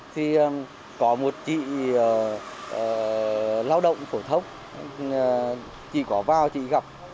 thì có một chị lao động khổ thốc chị có bao chị gặp